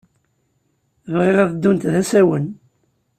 Bɣiɣ ad ddunt d asawen.